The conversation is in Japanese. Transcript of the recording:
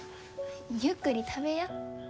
ゆっくり食べや。